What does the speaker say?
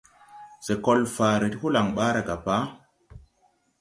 Se kol faare ti holaŋ ɓaara ga pa.